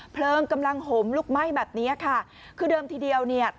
เพลิงกำลังห่มลุกไหม้แบบเนี้ยค่ะคือเดิมทีเดียวเนี่ย